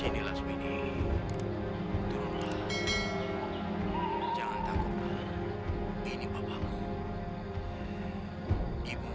nggak dulu aja deh oke pasti